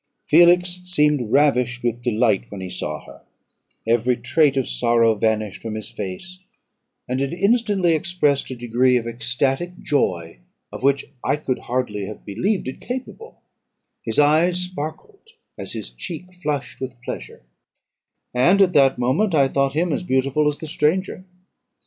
"Felix seemed ravished with delight when he saw her, every trait of sorrow vanished from his face, and it instantly expressed a degree of ecstatic joy, of which I could hardly have believed it capable; his eyes sparkled, as his cheek flushed with pleasure; and at that moment I thought him as beautiful as the stranger.